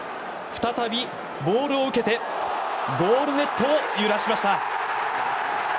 再びボールを受けてゴールネットを揺らしました。